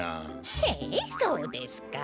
へえそうですか？